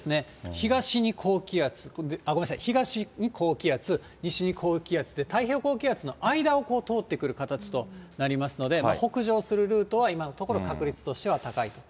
東に高気圧、ごめんなさい、東に高気圧、西に高気圧で、太平洋高気圧の間を通ってくる形となりますので、北上するルートは、今のところ確率としては高いと。